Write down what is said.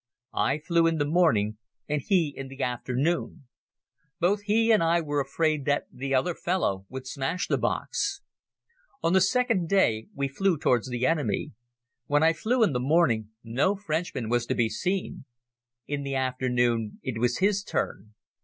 I flew in the morning and he in the afternoon. Both he and I were afraid that the other fellow would smash the box. On the second day we flew towards the enemy. When I flew in the morning no Frenchman was to be seen. In the afternoon it was his turn.